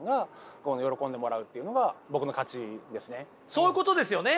そういうことですよね？